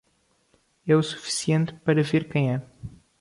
É o suficiente para ver quem é.